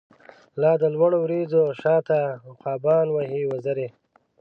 لا د لوړو وریځو شا ته، عقابان وهی وزری